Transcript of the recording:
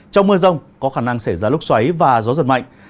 trong mưa rông có khả năng xảy ra lốc xoáy và gió giật mạnh